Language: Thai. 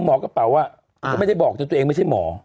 หมอกระเป๋าอ่ะเขาไม่ได้บอกว่าตัวเองไม่ใช่หมอ